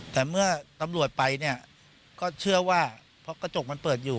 แต่เมื่อตำรวจไปเนี่ยก็เชื่อว่าเพราะกระจกมันเปิดอยู่